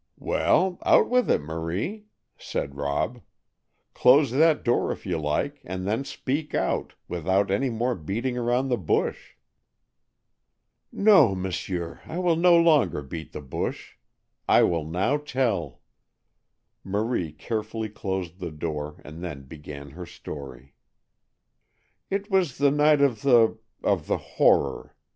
"Well, out with it, Marie," said Rob. "Close that door, if you like, and then speak out, without any more beating around the bush." "No, monsieur, I will no longer beat the bush; I will now tell." Marie carefully closed the door, and then began her story: "It was the night of the—of the horror.